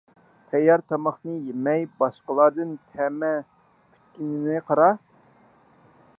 تەييار تاماقنى يېمەي، باشقىلاردىن تەمە كۈتكىنىنى قارا!